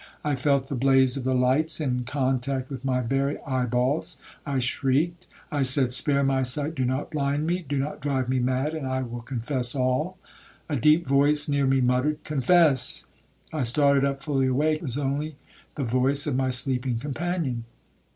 I felt the blaze of the lights in contact with my very eye balls. I shrieked. I said, 'Spare my sight, do not blind me, do not drive me mad, and I will confess all.' A deep voice near me muttered, 'Confess.' I started up fully awake,—it was only the voice of my sleeping companion.